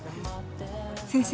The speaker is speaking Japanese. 先生